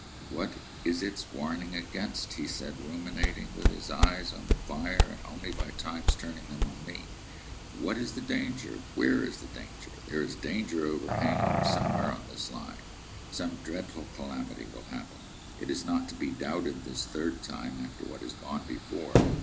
"What is its warning against?" he said, ruminating, with his eyes on the fire, and only by times turning them on me. "What is the danger? Where is the danger? There is danger overhanging somewhere on the Line. Some dreadful calamity will happen. It is not to be doubted this third time, after what has gone before.